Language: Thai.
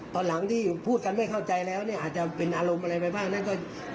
ตอนหลังที่พูดกันไม่เข้าใจแล้วเนี่ยอาจจะเป็นอารมณ์อะไรไปบ้างนั้น